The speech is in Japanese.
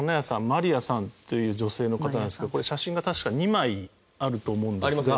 マリアさんという女性の方なんですけどこれ写真が確か２枚あると思うんですが。